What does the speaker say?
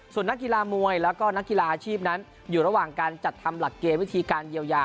ส่วนนักกีฬามวยแล้วก็นักกีฬาอาชีพนั้นอยู่ระหว่างการจัดทำหลักเกณฑ์วิธีการเยียวยา